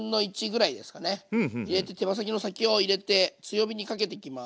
入れて手羽先の先を入れて強火にかけていきます。